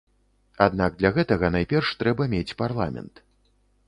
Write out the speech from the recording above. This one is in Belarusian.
Аднак для гэтага, найперш, трэба мець парламент.